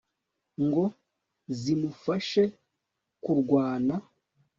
ngo zimufashe kurwana